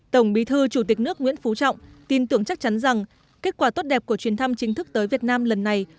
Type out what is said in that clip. tổng bí thư chủ tịch nước nguyễn phú trọng tin tưởng chắc chắn rằng kết quả tốt đẹp của chuyến thăm chính thức tới việt nam lần này